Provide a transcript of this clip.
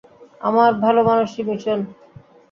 আমার ভালোমানুষি মিশন?